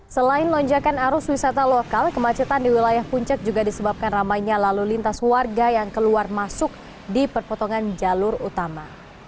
selain lonjakan arus wisata lokal kemacetan di wilayah puncak juga disebabkan ramainya lalu lintas warga yang keluar masuk di perpotongan jalur utama